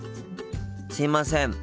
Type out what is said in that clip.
すいません。